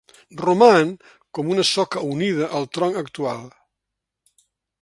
Roman com una soca unida al tronc actual.